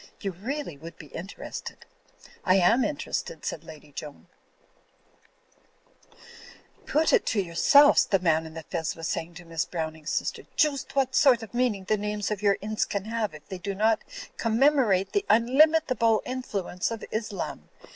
You really would be inter ested.'* "I am interested," said Lady Joan. ^Toot it to yourselfs," the man in the fez was say ing to Miss Browning's sister, "joost what sort of meaning the names of your ince can have if they do not commemorate the unlimitable influence of Islam.